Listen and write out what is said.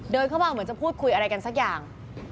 เดินเข้ามาเหมือนจะพูดคุยอะไรกันสักอย่าง